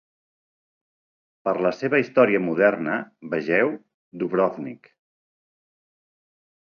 Per la seva història moderna vegeu Dubrovnik.